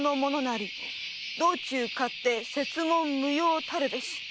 「道中勝手設問無用たるべし」